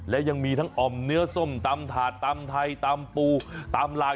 และยังมีทั้งอ่อมเนื้อส้มตำถาดตำไทยตำปูตำลาย